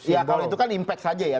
ya kalau itu kan impact saja ya